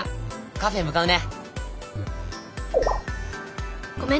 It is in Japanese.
カフェ向かうね」。